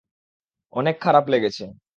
অনেক খারাপ লেগেছে।